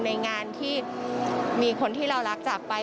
ในงานที่มีคนที่เรารักจากไป